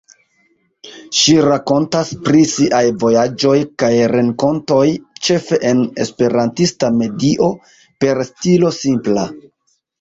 Ŝi rakontas pri siaj vojaĝoj kaj renkontoj ĉefe en esperantista medio per stilo simpla.